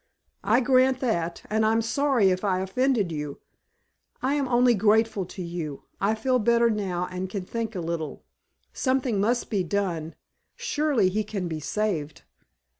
"I grant that. And I'm sorry if I offended you " "I am only grateful to you. I feel better now and can think a little. Something must be done. Surely he can be saved."